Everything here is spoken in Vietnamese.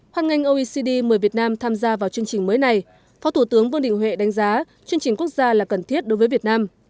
hoan nghênh oecd mời việt nam tham gia vào chương trình mới này phó thủ tướng vương đình huệ đánh giá chương trình quốc gia là cần thiết đối với việt nam